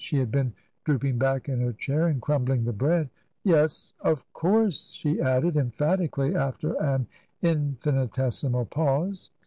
She had been droop ing back in her chair and crumbling the bread. " Yes ,.. Of course*' she added, emphatically, after an infinitesimal pause.